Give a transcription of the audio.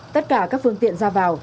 tất cả các phương tiện ra vào